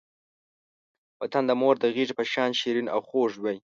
وطن د مور د غېږې په شان شیرین او خوږ وی.